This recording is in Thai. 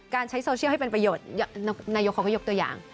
ใช้โซเชียลให้เป็นประโยชน์นายกเขาก็ยกตัวอย่าง